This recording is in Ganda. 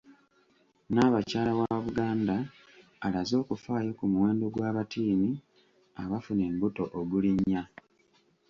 Nnaabakyala wa Buganda alaze okufaayo ku muwendo gw'abattiini abafuna embuto ogulinnya.